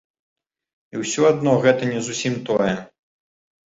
І ўсё адно гэта не зусім тое.